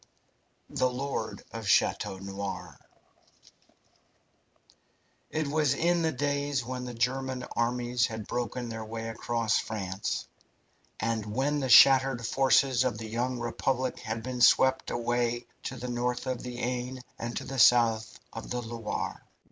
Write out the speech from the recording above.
THE LORD OF CHATEAU NOIR It was in the days when the German armies had broken their way across France, and when the shattered forces of the young Republic had been swept away to the north of the Aisne and to the south of the Loire.